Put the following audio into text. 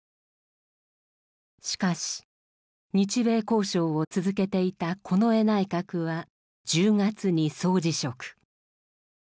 しかし日米交渉を続けていた近衛内閣は１０月に総辞職。